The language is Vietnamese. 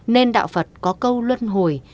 nên đạo phật có câu luân hồi